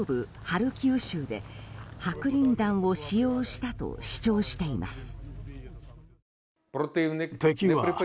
ハルキウ州で白リン弾を使用したと主張しています。